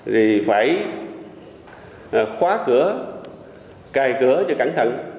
thì phải khóa cửa cài cửa cho cẩn thận